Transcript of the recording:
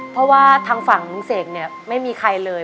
เพราะว่าทางฝั่งลุงเสกเนี่ยไม่มีใครเลย